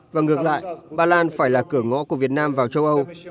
và ngược lại bà lan phải là cửa ngõ của việt nam vào châu âu